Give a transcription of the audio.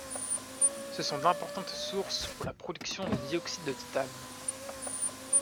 Ce sont d'importantes sources pour la production de dioxyde de titane.